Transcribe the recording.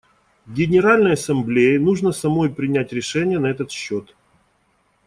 Генеральной Ассамблее нужно самой принять решение на этот счет.